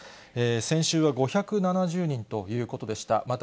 先週は５７０人ということでした。